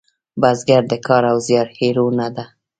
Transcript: بزګر د کار او زیار هیرو نه دی